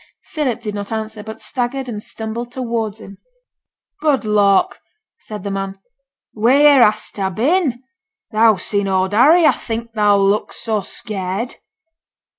Philip did not answer, but staggered and stumbled towards him. 'Good lork!' said the man, 'wheere hast ta been? Thou's seen Oud Harry, I think, thou looks so scared.'